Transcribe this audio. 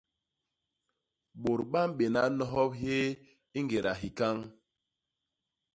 Bôt ba mbéna nohop hyéé i ngéda hikañ.